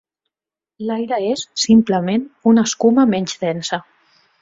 L’aire és, simplement, una escuma menys densa.